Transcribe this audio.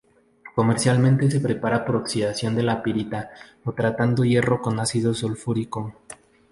Comercialmente se prepara por oxidación de la pirita, o tratando hierro con ácido sulfúrico.